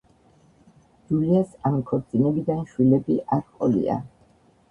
ჯულიას ამ ქორწინებიდან შვილები არ ჰყოლია.